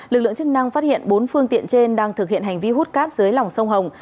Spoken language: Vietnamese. lực lượng chức năng phát hiện bốn phương tiện trên đang thực hiện hành vi hút cát dưới lòng sông hồng